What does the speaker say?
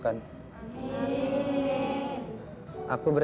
pasti sudah kumenter